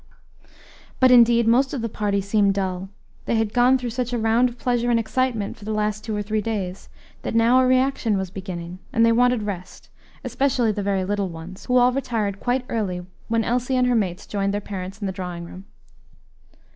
But, indeed, most of the party seemed dull; they had gone through such a round of pleasure and excitement, for the last two or three days, that now a reaction was beginning, and they wanted rest, especially the very little ones, who all retired quite early, when Elsie and her mates joined their parents in the drawing room.